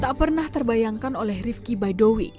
tak pernah terbayangkan oleh rifki baidowi